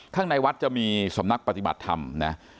ข้างในวัดจะมีสำนักปฏิบัติธรรมนะ